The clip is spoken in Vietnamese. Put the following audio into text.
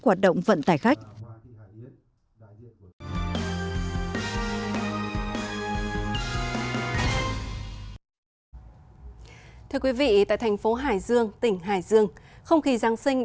hoạt động vận tải khách thưa quý vị tại thành phố hải dương tỉnh hải dương không khí giáng sinh